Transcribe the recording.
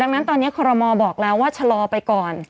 ดังนั้นตอนนี้คอรมอลบอกแล้วว่าชะลอไปก่อน